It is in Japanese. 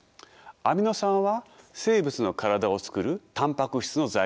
アミノ酸は生物の体を作るタンパク質の材料です。